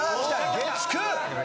月９。